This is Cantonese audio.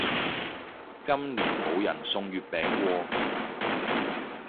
今年冇人送月餅喎